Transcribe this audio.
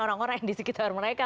orang orang yang di sekitar mereka